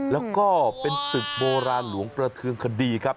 แล้วก็เป็นศึกโบราณหลวงประเทืองคดีครับ